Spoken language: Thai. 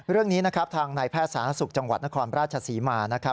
เรื่องนี้ทางนายแพทย์สาธารณสุขจังหวัดนครราชสีมา